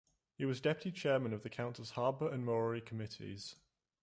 He was deputy chairman of the council's Harbour and Maori committees.